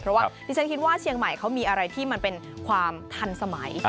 เพราะว่าดิฉันคิดว่าเชียงใหม่เขามีอะไรที่มันเป็นความทันสมัย